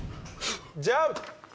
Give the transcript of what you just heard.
ジャンプ！